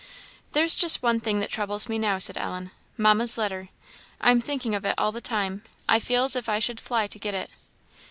"There's just one thing that troubles me now," said Ellen, "Mamma's letter. I am thinking of it all the time; I feel as if I should fly to get it!"